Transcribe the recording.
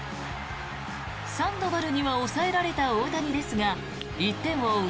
サンドバルには抑えられた大谷ですが１点を追う